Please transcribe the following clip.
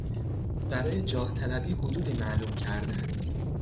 برای جاه طلبی حدودی معلوم کردن